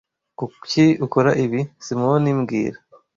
Kuki ukora ibi, Simoni mbwira